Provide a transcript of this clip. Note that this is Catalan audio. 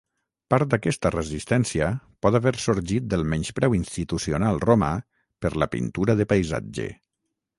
Part d'aquesta resistència pot haver sorgit del menyspreu institucional romà per la pintura de paisatge.